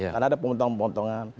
karena ada penghutang penghutang